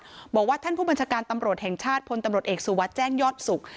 บอกว่าท่านผู้บัญชาการตำรวจแห่งชาติพลตำรวจเอกสุวัสดิ์แจ้งยอดสุข